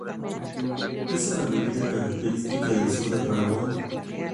Es una bebida característica del sur de Paraguay.